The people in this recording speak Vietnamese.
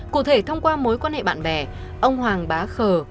cụ thể thông qua mối quan hệ bạn bè ông hoàng bá khờ